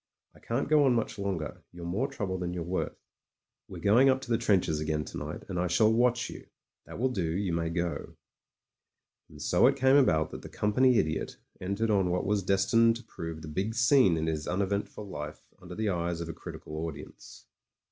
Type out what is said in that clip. I can't go on much longer; you're more trouble than you're worth. We're going up to the trenches again to night, and I shall watch you. That will do; you may go." And so it came about that the Company Idiot entered on what was destined to prove the big scene in his uneventful life under the eyes of a critical audience.